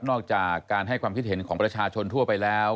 จากการให้ความคิดเห็นของประชาชนทั่วไปแล้ว